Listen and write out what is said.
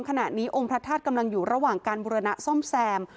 ขณะนี้องค์พระธาตุกำลังอยู่ระหว่างการบุรณะซ่อมแซม